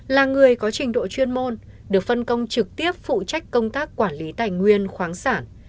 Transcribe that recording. là người có trình độ chuyên môn được phân công trực tiếp phụ trách công tác quản lý tài nguyên khoáng sản